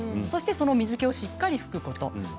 そして、その水けをしっかり拭くこと。